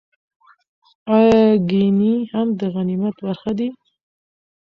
ایا ګېڼي هم د غنیمت برخه دي؟